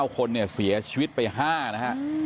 ๙คนเสียชีวิตไป๕นะครับ